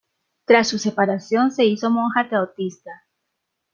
Tras su separación se hizo monja taoísta.